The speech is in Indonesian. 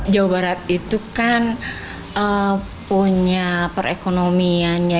jawa barat itu kan punya perekonomiannya